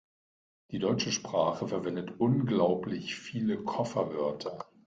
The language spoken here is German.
Die deutsche Sprache verwendet unglaublich viele Kofferwörter.